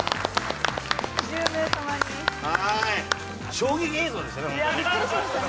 衝撃映像でしたね